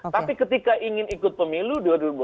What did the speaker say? tapi ketika ingin ikut pemilu